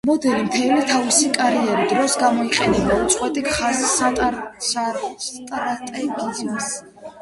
მოდელი მთელი თავისი კარიერი დროს გამოიყენებდა უწყვეტი ხაზის სტრატეგიას.